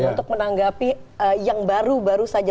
untuk menanggapi yang baru baru saja